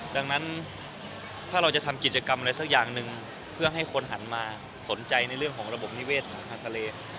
ดังนั้นถ้าเราจะทำกิจกรรมอะไรสักอย่างหนึ่งเพื่อให้คนหันมาสนใจในเรื่องของระบบนิเวศของทางทะเล